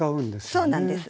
そうなんです。